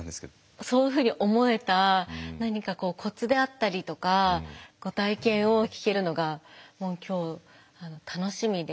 そういうふうに思えた何かコツであったりとか体験を聞けるのが今日楽しみで。